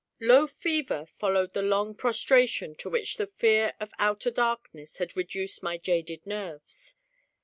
Low fever followed the long prostration to which the fear of outer darkness had reduced my jaded nerves.